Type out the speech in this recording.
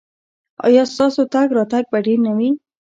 ایا ستاسو تګ راتګ به ډیر نه وي؟